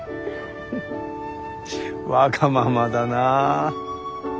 わがままだな。